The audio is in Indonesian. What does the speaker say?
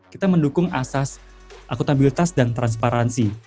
kita mendukung asas akuntabilitas dan transparansi